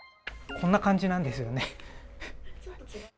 こんな感じなんですよね。